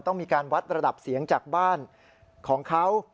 ต้องมีการวัดระดับเสียงจากบ้านของเขา